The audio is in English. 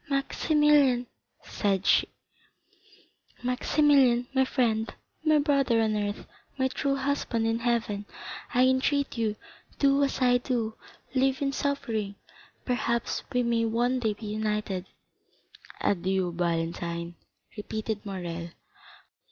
"Maximilian," said she, "Maximilian, my friend, my brother on earth, my true husband in heaven, I entreat you, do as I do, live in suffering; perhaps we may one day be united." "Adieu, Valentine," repeated Morrel.